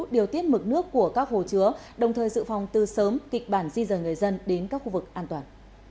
điều tiết mực nước của các hồ chứa đồng thời dự phòng tư sớm kịch bản di dời người dân đến các khu vực an toàn